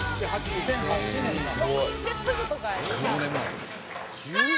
２００８年なんだ。